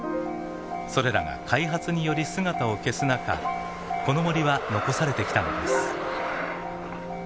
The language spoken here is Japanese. それらが開発により姿を消す中この森は残されてきたのです。